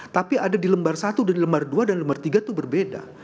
tapi ada di lembar satu di lembar dua dan lembar tiga itu berbeda